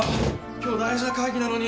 今日大事な会議なのに。